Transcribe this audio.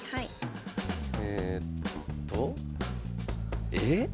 えっと？え？